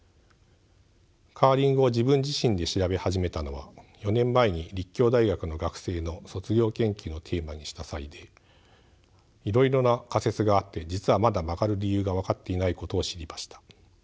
カーリングを自分自身で調べ始めたのは４年前に立教大学の学生の卒業研究のテーマにした際でいろいろな仮説があって実はまだ曲がる理由が分かっていないことを知りました。